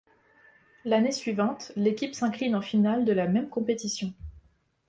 L'année suivante, l'équipe s'incline en finale de la même compétition.